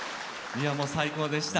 最高でした。